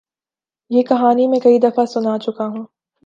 یہ کہانی میں کئی دفعہ سنا چکا ہوں۔